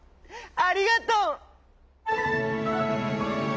ありがとう！」。